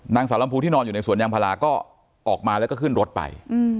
นางสาวลำพูที่นอนอยู่ในสวนยางพาราก็ออกมาแล้วก็ขึ้นรถไป